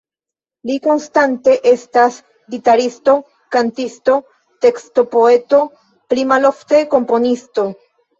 Li konstante estas gitaristo, kantisto, tekstopoeto, pli malofte komponisto.